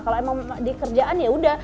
kalau emang di kerjaan ya udah